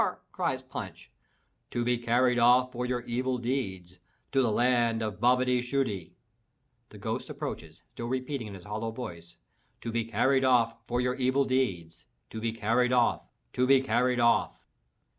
cries Punch. "To be carried off for your evil deeds, to the land of Bobbety Shooty." The ghost approaches, still repeating in his hollow voice, "To be carried off for your evil deeds, to be carried off. To be carried off."